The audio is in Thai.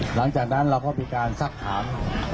หลังจากนั้นเราก็มีการซักถาม